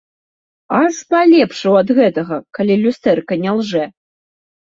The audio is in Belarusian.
Аж палепшаў ад гэтага, калі люстэрка не лжэ.